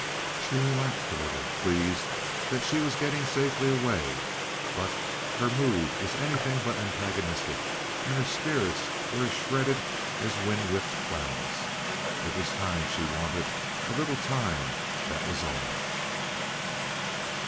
She relaxed a little, pleased that she was getting safely away; but her mood was anything but antagonistic, and her spirits were as shredded as wind whipped clouds. It was time she wanted—a little time—that was all.